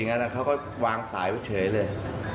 อย่างนั้นเขาก็วางสายเฉยเลย